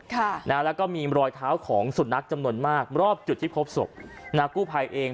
ค่ะนะแล้วก็มีรอยเท้าของสุนัขจำนวนมากรอบจุดที่พบศพนากู้ภัยเอง